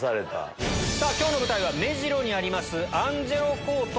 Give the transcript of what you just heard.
今日の舞台は目白にあります。